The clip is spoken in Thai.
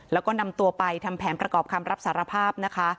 แล้วก็นำตัวไปทำแผนประกอบคำรับสารภาพนะคะ